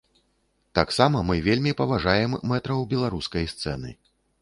Таксама мы вельмі паважаем мэтраў беларускай сцэны.